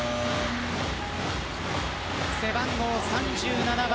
背番号３７番